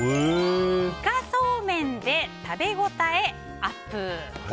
イカそうめんで食べ応えアップ！